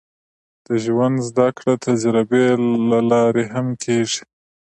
د ژوند زده کړه د تجربې له لارې هم کېږي.